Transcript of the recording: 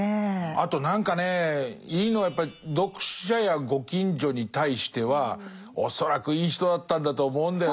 あと何かねいいのはやっぱり読者やご近所に対しては恐らくいい人だったんだと思うんだよな。